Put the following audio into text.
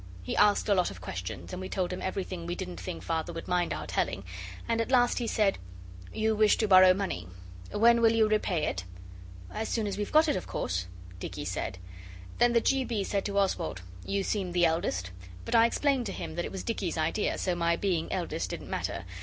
He asked a lot of questions, and we told him everything we didn't think Father would mind our telling, and at last he said 'You wish to borrow money. When will you repay it?' 'As soon as we've got it, of course,' Dicky said. Then the G. B. said to Oswald, 'You seem the eldest,' but I explained to him that it was Dicky's idea, so my being eldest didn't matter.